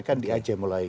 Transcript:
kan di aceh mulai